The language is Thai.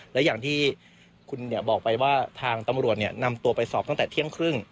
และอย่างที่คุณบอกไปว่าทางตำรวจนำตัวไปสอบตั้งแต่เที่ยงครึ่ง